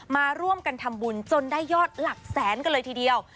มาร่วมกันทำบุญจนได้ยอดหลักแสนกันเลยทีเดียว